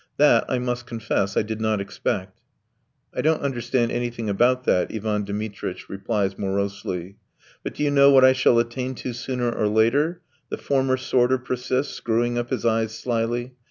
"That I must confess I did not expect." "I don't understand anything about that," Ivan Dmitritch replies morosely. "But do you know what I shall attain to sooner or later?" the former sorter persists, screwing up his eyes slyly.